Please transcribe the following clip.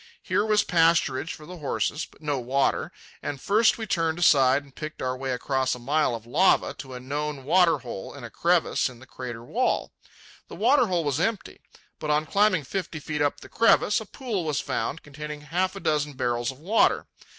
Here was pasturage for the horses, but no water, and first we turned aside and picked our way across a mile of lava to a known water hole in a crevice in the crater wall. The water hole was empty. But on climbing fifty feet up the crevice, a pool was found containing half a dozen barrels of water.